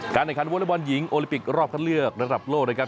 การเนื้อคันวอลเมอร์มอลหญิงโอลิปิกรอบคันเลือกระดับโลกนะครับ